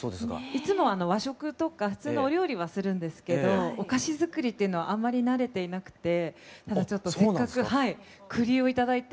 いつも和食とか普通のお料理はするんですけどお菓子作りっていうのはあんまり慣れていなくてただちょっとせっかく栗を頂いて。